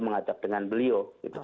mengajak dengan beliau